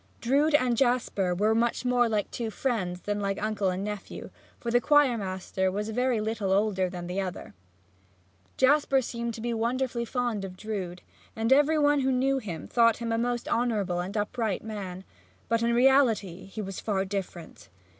Drood and Jasper were much more like two friends than like uncle and nephew, for the choir master was very little older than the other. Jasper seemed to be wonderfully fond of Drood, and every one who knew him thought him a most honorable and upright man; but in reality he was far different.